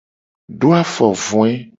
Do afovoe.